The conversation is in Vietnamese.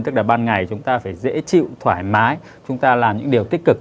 tức là ban ngày chúng ta phải dễ chịu thoải mái chúng ta làm những điều tích cực